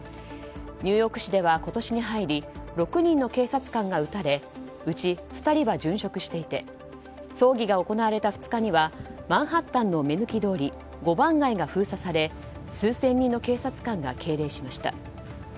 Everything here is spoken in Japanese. ニューヨーク市では今年に入り６人の警察官が撃たれうち２人は殉職していて葬儀が行われた２日にはマンハッタンの目抜き通り５番街が封鎖され数千人の警察官が敬礼しました。